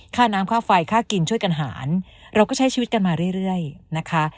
ค่าน้ำค่าไฟค่ากินช่วยกันหารเราก็ใช้ชีวิตกันมาเรื่อยนะคะ